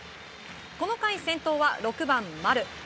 この回、先頭は６番、丸。